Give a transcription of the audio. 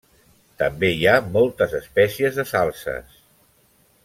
També hi ha moltes espècies de salzes.